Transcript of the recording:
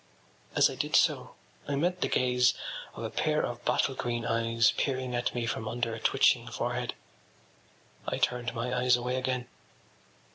As I did so I met the gaze of a pair of bottle green eyes peering at me from under a twitching forehead. I turned my eyes away again.